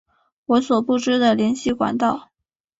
我所不知的联系管道